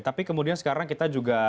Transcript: tapi kemudian sekarang kita juga